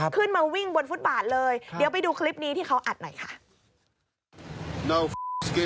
ขึ้นมาวิ่งบนฟุตบาทเลย